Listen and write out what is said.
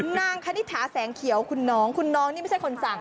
คณิตถาแสงเขียวคุณน้องคุณน้องนี่ไม่ใช่คนสั่ง